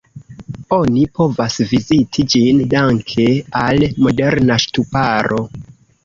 Oni povas viziti ĝin danke al moderna ŝtuparo.